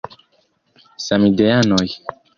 Samideanoj!